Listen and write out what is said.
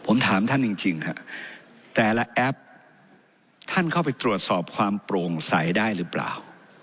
ผมถามท่านจริงฮะแต่ละแอปท่านเข้าไปตรวจสอบความโปร่งใสได้หรือเปล่า